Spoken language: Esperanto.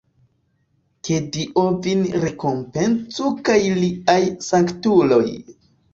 Ke Dio vin rekompencu kaj liaj sanktuloj!